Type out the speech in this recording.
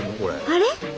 あれ？